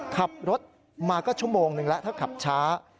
ขับรถมาก็ชั่วโมงหนึ่งแล้วถ้าขับช้า